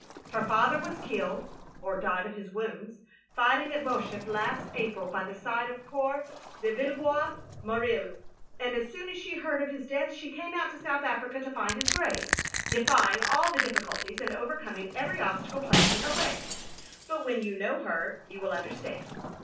''Her father was killed {or died of his wounds) ■fighting at Boshof last April by the side of poor de Villebois Mareuil; and as soon as she heard of his death she came out to South Africa to find his grave; defying all the difficulties, and overcoming every obstacle placed in her way. But when you know her you will understand.